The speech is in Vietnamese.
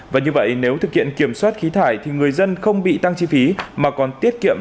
và như vậy nếu thực hiện kiểm soát khí thải thì người dân không bị tăng chi phí mà còn tiết kiệm